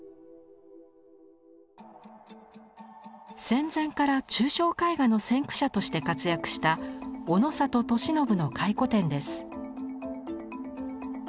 戦前から抽象絵画の先駆者として活躍したオノサト・トシノブの回顧展です。